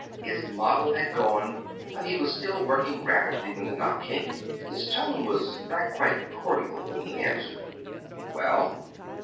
His model had gone, but he was still working rapidly when the knock came. His tone was not quite cordial when he answered. "Well?"